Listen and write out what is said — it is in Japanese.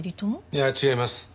いや違います。